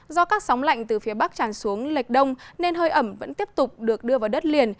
do các sóng lạnh từ phía bắc tràn xuống lệch đông nên hơi ẩm vẫn tiếp tục được đưa vào đất liền